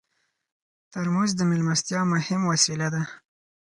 ترموز د میلمستیا مهم وسیله ده.